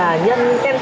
hoặc là nhân khoai môn